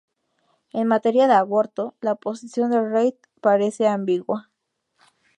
En materia de aborto, la posición de Reid parece ambigua.